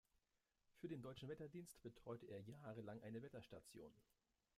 Für den Deutschen Wetterdienst betreute er jahrelang eine Wetterstation.